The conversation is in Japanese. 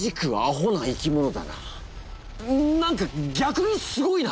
何かぎゃくにすごいな！